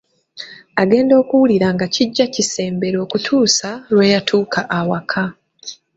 Agenda okuwulira nga kijja kisembera okutuusa, lwe kyatuuka awaka.